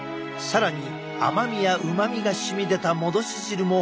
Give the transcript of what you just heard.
更に甘みやうまみがしみ出た戻し汁も料理に使う。